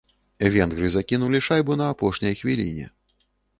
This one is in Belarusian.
Венгры закінулі шайбу на апошняй хвіліне.